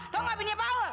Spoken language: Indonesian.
tau gak gini paul